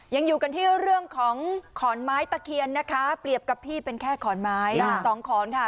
ยังอยู่กันที่เรื่องของขอนไม้ตะเคียนนะคะเปรียบกับพี่เป็นแค่ขอนไม้สองขอนค่ะ